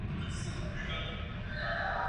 三叶崖爬藤是葡萄科崖爬藤属的植物。